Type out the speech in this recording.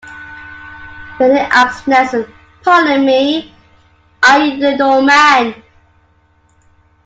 Benny asked Nelson, Pardon me, are you the doorman?